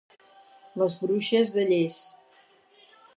Les Bruixes de Llers.